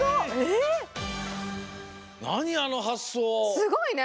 すごいね！